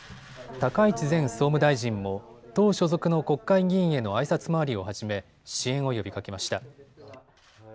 高市前総務大臣も党所属の国会議員へのあいさつ回りを始め支援を呼びかけました。